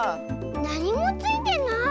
なにもついてない！